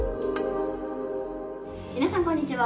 皆さん、こんにちは。